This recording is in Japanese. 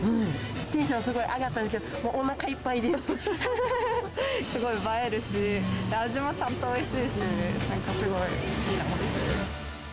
テンションすごい上がったんすごい映えるし、味もちゃんとおいしいし、なんかすごい、好きなお店です。